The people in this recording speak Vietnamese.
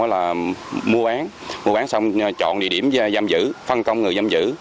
là mua bán mua bán xong chọn địa điểm giam giữ phân công người giam giữ